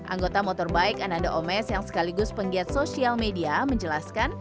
anggota motorbike ananda omes yang sekaligus penggiat sosial media menjelaskan